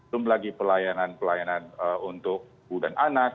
dan lagi pelayanan pelayanan untuk ibu dan anak